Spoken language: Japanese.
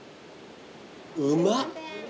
うまっ。